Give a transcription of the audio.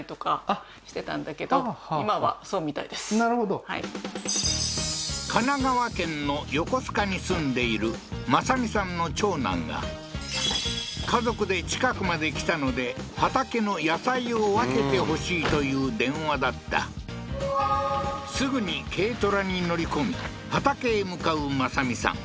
なるほどはい神奈川県の横須賀に住んでいる正美さんの長男が家族で近くまで来たので畑の野菜を分けてほしいという電話だったすぐに軽トラに乗り込み畑へ向かう正美さん